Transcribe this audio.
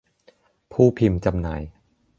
ผู้พิมพ์จำหน่าย